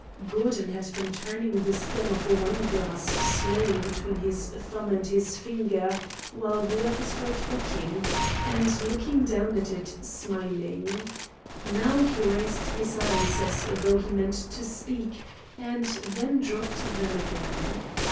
Gordon had been turning the stem of a wineglass slowly between his thumb and his finger while the others were talking, and looking down at it smiling. Now he raised his eyes as though he meant to speak, and then dropped them again.